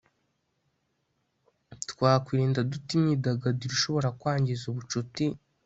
Twakwirinda dute imyidagaduro ishobora kwangiza ubucuti